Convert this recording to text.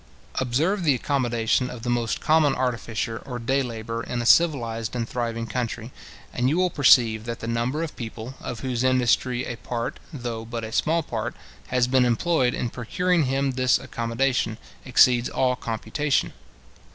Observe the accommodation of the most common artificer or daylabourer in a civilized and thriving country, and you will perceive that the number of people, of whose industry a part, though but a small part, has been employed in procuring him this accommodation, exceeds all computation.